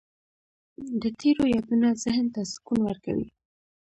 د تېرو یادونه ذهن ته سکون ورکوي.